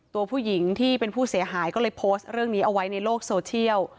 ตัวผู้หญิงที่เป็นผู้เสียหายก็เลยโพสต์เรื่องนี้เอาไว้ในโลกโซเชียล